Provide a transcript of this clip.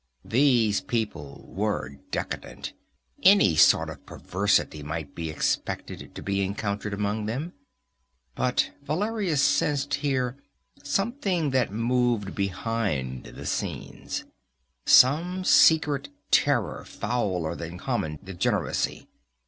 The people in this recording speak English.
These people were decadent; any sort of perversity might be expected to be encountered among them. But Valeria sensed here something that moved behind the scenes, some secret terror fouler than common degeneracy.